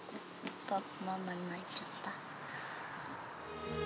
ママ泣いちゃった。